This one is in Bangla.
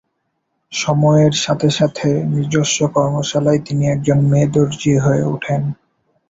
সময়ের সাথে সাথে নিজস্ব কর্মশালায় তিনি একজন মেয়ে-দর্জি হয়ে ওঠেন।